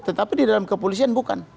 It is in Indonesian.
tetapi di dalam kepolisian bukan